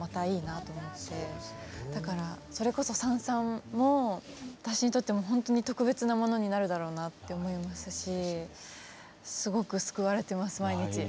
だからそれこそ「燦燦」も私にとっても本当に特別なものになるだろうなって思いますしすごく救われています毎日。